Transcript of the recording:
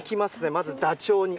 まずダチョウに。